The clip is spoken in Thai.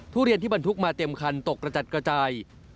ทุเรียนที่บรรทุกมาเต็มคันตกกระจัดกระจาย